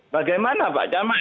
bagaimana pak jamat